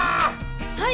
はい！